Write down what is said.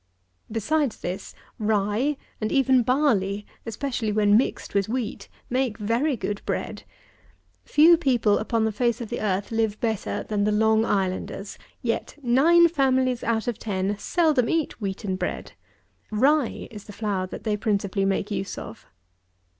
Besides this, rye, and even barley, especially when mixed with wheat, make very good bread. Few people upon the face of the earth live better than the Long Islanders. Yet nine families out of ten seldom eat wheaten bread. Rye is the flour that they principally make use of.